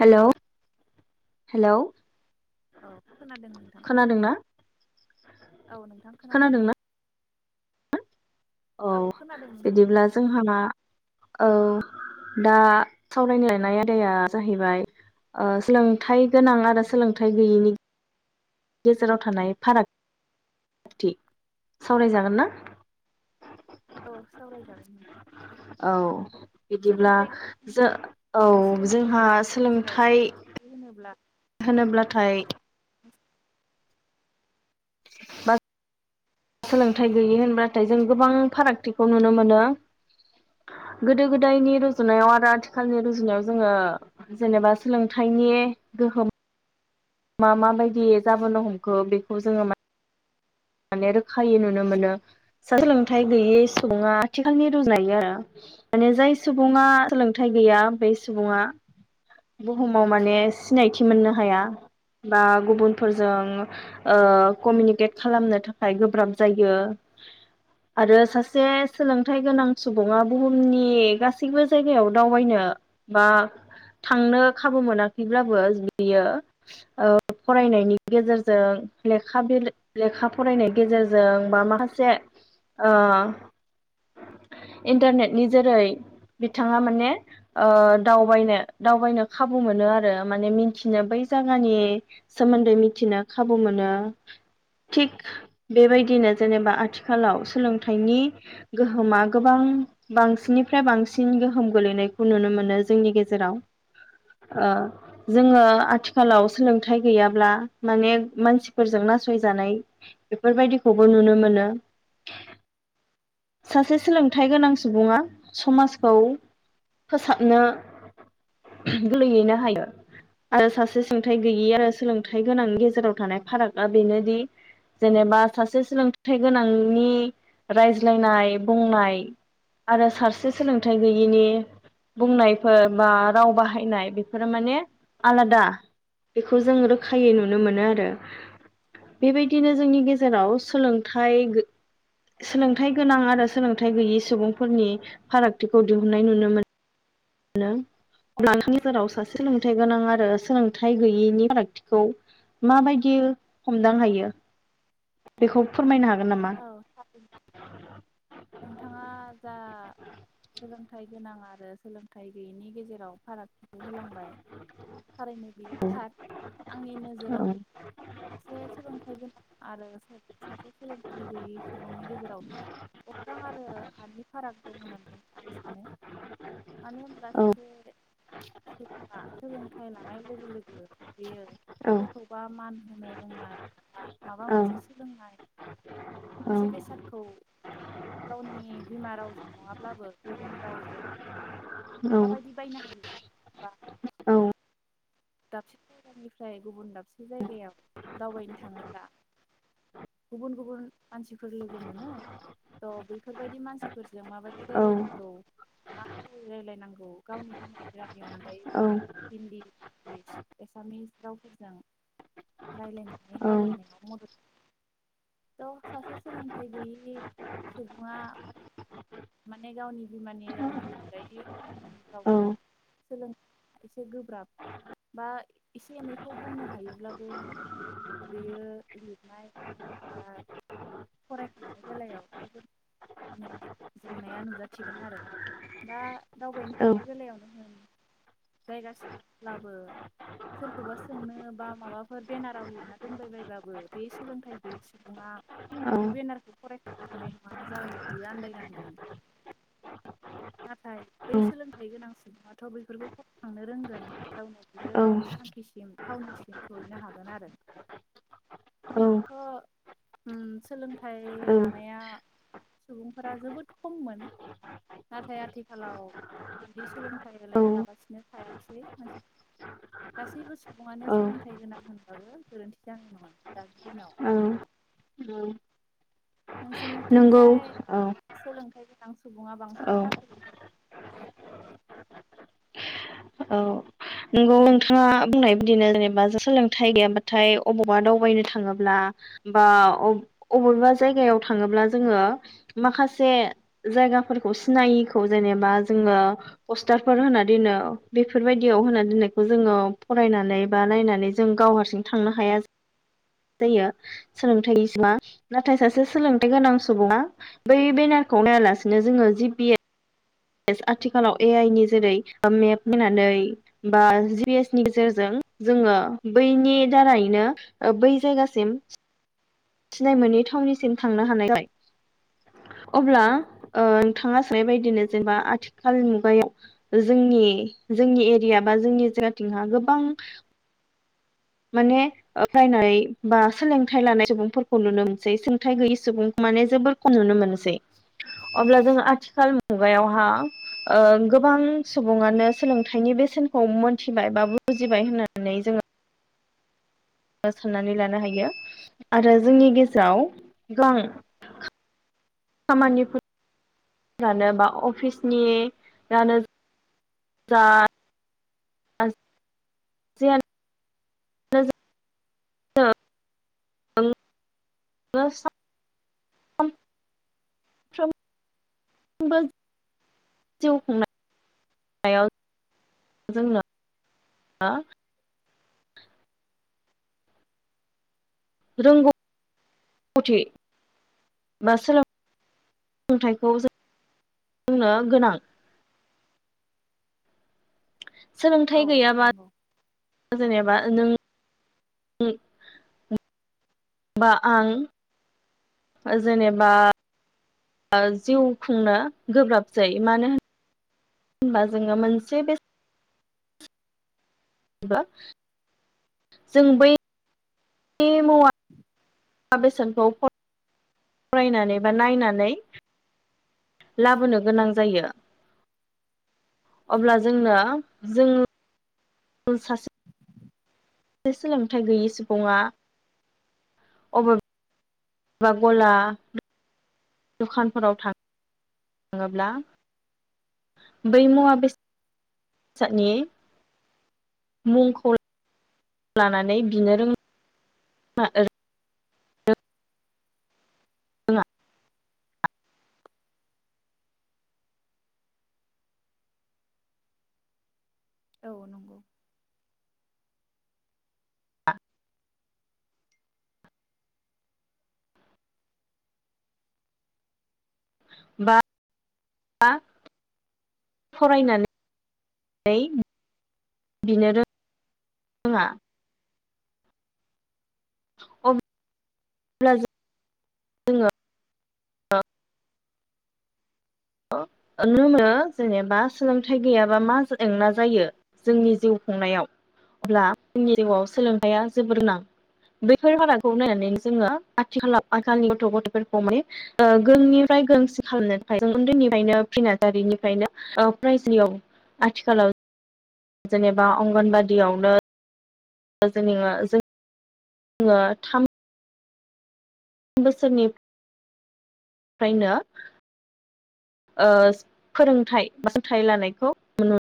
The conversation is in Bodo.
हेल' हेल' औ खोनादों नोंथां औ नोंथां खोनाबाय खोनादोंना? औ खोनादों नोंथां बिदिब्ला जोंहा मा औ दा सावरायनो लायनाय आयदाया जाहैबाय सोलोंथाइ गोनां आरो सोलोंथाइ गैयैनि गेजेराव थानाय फारागथि सावरायजागोन ना औ सावरायजागोन नोंथां औ बिदिब्ला सोलोंथाइ जो औ आरो सोलोंथाइ जोंहा गैयनि गेजेराव सोलोंथाइ फारागथि होनोब्ला होनोब्लाथाय [unintelligible] बस [inaudible] सोलोंथाइ गैयि होनब्लााथाय जों गोबां फारागथिखौ नुनो मोनो गोदो गोदायनि रुजुनायाव आरो आथिखालनि रुजुनायाव जोङो जेनेबा सोलोंथाइनि गोहोम मा माबायदियै जाबोनो हमखो बेखौ जोङो मा माने रोखायै नुनो मोनो सोलोंथाइ गैयै सुबुङा आथिखालनि रुजायो आरो माने जाय सुबुङा सोलोंथाइ गैया बे सुबुङा बुहुमाव माने सिनायथि मोननो हाया बा गुबुनफोरजों कमिउनिकेट खालामनो थाखाय गोब्राब जायो आरो सासे सोलोंथाइ गोनां सुबुङा बुहुमनि गासैबो जायगायाव दावबायनो बा थांनो खाबु मोनाखैब्लाबो बियो ओ फरायनायनि गेजेरजों लेखा फरायनाय गेजेरजों बा माखासे ओ इन्टारनेटनि जेरै बिथाङा माने ओ दावबायनो दावबायनो खाबु मोनो आरो माने मिथिनो बै जायगानि सोमोन्दै मिथिनो खाबु मोनो थिग बेबायदिनो जेनेबा आथिखालाव सोलोंथाइनि गोहोमा गोबां बांसिननिफ्राय बांसिन गोहोम गोलैनायखौ नुनो मोनो जोंनि गेजेराव ओ जोङो आथिखालाव सोलोंथाइ गैयाब्ला माने मानसिफोरजों नासयजानाय बेफोरबायदिखौबो नुनो मोनो सासे सोलोंथाइ गोनां सुबुङा समाजखौ फोसाबनो गल्रैयैनो हायो आरो सासे सोलोंथाइ गैयि आरो सोलोंथाइ गोनांनि गेजेराव थानाय फारागआ बेनोदि जेनेबा सासे सोलोंथाइ गोनांनि रायजो रायज्लायनाय बुंनाय आरो सासे सोलोंथाइ गैयैनि बुंनायफोर बा राव बाहायनाय बेफोरो माने आलादा बेखौ जों रोखायै नुनो मोनो आरो बेबायदिनो जोंनि गेजेराव सोलोंथाइ सोलोंथाइ गोनां आरो सोलोंथाइ गैयि सुबुंफोरनि फारागथिखौ दिहुनन्नाय नुनो मोनो अब्ला नोंथांनि गेजेराव सासे सोलोंथाइ गोनां आरो सोलोंथाइ गैयैनि फारागथिखौ माबायदि हमदां हायो बेखौ फोरमायनो हागोन नामा? औ नोंथाङा जा सोलोंथाइ गोनां आरो सोलोंथाइ गैयैनि गेजेराव फाराग खौ होलांबाय थारैनो बियो थार आंनि औ नोजोरावबो सासे सोलोंथाइ गोनां आरो साथ खल उफाय गैयै सुबुंनि गेजेराव अख्रां आरो हानि फाराग दं होननानै आं सानो मानो होनब्ला औ सासे सुबङा सोलोंथाइ लानाय लोगो लोगो बेयो औ सोरखौबा मान होनो रोंनाय बा माबा औ मोनसे सोलोंनाय मोनसे बेसादखौ गावनि बिमा रावजों नङाब्लाबो गुबुन रावजों औ माबायदि बायना बा औ दाबसे जायगानिफ्राय गुबुन दाबसे जायगायाव दावबायनो थाङोब्ला गुबुन गुबुन मानसिफोर लोगो मोनो थ' बेफोरबायदि मानसिफोरजों माबायदि औ रायलायनांगौ मा रायलायनांगौ गावनि बिमा बिरावनि अनगायैबो हिन्दि इस एसामिस रावफोरजों रायज्लायनानै दावबायनायाव मदद हो थ' सासे सोलोंथाइ गैयै सुबुङा माने गावनि बिमानि रावनि अनगायै रावखौ सोलों एसे गोब्राब बा एसे एनैखौ बुंनो हायोब्लाबो बेयो लिरनाय ा फरायखांनाय बेलायाव जोबोद माने जेंनाया नुजाथिगोन आरो दा दावबायनो थांनाय बेलायावनो होन जायगासिब्लाबो सोरखौबा सोंनो बा माबाफोर बेनाराव लिरना दोनबायबायबाबो बे सोलोंथाइ बे सुबुङा बे बेनारखौ फरायखांनो हानाय नङा जाहोनाव बियो आन्दायनांगोन नाथाय औ बै सोलोंथाइ गोनां सुबुङाथ' बफोरखौ फरायखांनो रोंगोन गावनो बियो गावनि थांखिसिम थाउनिसिम सहैनो हागोन आरो गोथ' उम सोलोंथाइ थाइ लानाया सुबुंफोरा जोबोद खममोन नाथाय आथिखालाव बिदि सोलोंथाइ औ होलाया लाबसिनो थायासै मानसि गासैबो सुबुङानो सोलोंथाइ गोनां होनबाबो गोरोन्थि जानाय नङा दानि दिनाव औ नंगौ नोंसोरनिथिंजाय औ सोलोंथाइ नाइ गोनां सुबुङा औ बांसिनना नोंगौ नोंथाङा बुंनाय बिदिनो जेनेबा सोलोंथाइ गैयाबाथाय अबावबा दावबायनो थाङोब्ला बा अबेबा जायगायाव थाङोब्ला जोङो माखासे जायगाफोरखौ सिनायिखौ जेनेबा जोङो पस्टारफोर होना दोनो बेफोरबायदि याव होना दोननायखौ जोङो फरायनानै बा नायनानै जों गाव हारसिं थांनो हाया जायो सोलोंथाइ नाथाय सासे सोलोंथाइ गोनां सुबुङा बै बेनारखौ नायालासिनो जोङो जि पए आथिखालाव ए आइ नि जेरै मेप होनानै बा जिएस नि गेजेरजों जोङो बैनि दारैनो बै जायगासिम थिनाय मोनै थावनिसिम थांनो हानायखाय अब्ला औ थाङा सोनाय बायदिनो जेनेबा आथिखाल मुगायाव जोंनि जोंनि एरिया बा जोंनि जायगाथिंहा गोबां माने फरायनाय बा सोलोंथाइ लानाय सुबुंफोरखौ नुनो मोनसै सोलोंथाइ गैयि सुबुं माने जोबोर खम नुनो मोनसै अब्ला जों आथिखाल मुगायावहा गोबां सुबुङानो सोलोंथाइनि बेसेनखौ मोनथिबाय बा बुजिबाय होननानै जोङो साननानै लानो हायो आरो जोंनि गेजेराव गोां खामानिफोरानो बा अफिसनिानो जा [inaudible] सफ्रबो जिउ खुंनायाव जोंनो रोंगौथि बा सोलों थाइखौ जोंनो गोनां सोलोंथाइ औ गैयाबा नंगौ जेनेबा नों बा आं जेनेबा जिउ खुंनो गोब्राब जायो मानो होन होनबा जोङो मोनसे बेसे जों बै द मावा-बेसाद खौ फरायनानै बा नायनानै लाबोनो गोनां जायो। अब्ला जोंनो जोङो उम सासे सोलोंथाइ गैयि सुबुङा अबेबा गला-दखानफोराव थाङोब्ला बै मुवा-बेसादनि मुंखौ लानानै बिनो रोङा रोङा औ नंगौ बा फरायनानै बिनो रोङा। अ ब्ला जों जोङो ओ नुनो मोनो जेनेबा सोलोंथाइ गैयाबा मा जेंना जायो जोंनि जिउ खुंनायाव। अब्ला जोंनि जिउआव सोलोंथाइआ जोबोर गोनां बैफोर फारागखौ नायनानै जोङो आथिखालाव आथिखालनि गथ' ग'थायफोरखौ माने ओ गोरोंनिफ्राय गोरोंसि खालामनो थाखाय जों उन्दैनिफ्रायनो प्रि नार्जारिनिफ्रायनो बाइजोनियाव आथिखालाव जेनेबा अंगनबादियावनो जेनेबा जोङो थाम बोसोरनिफ्रायनो ओ‌ फोरोंथाइ फोरोंथाइ लानायखौ नुनो